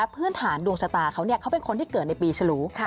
พื้นฐานดวงชะตาเขาเขาเป็นคนที่เกิดในปีฉลู